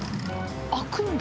開くんだ。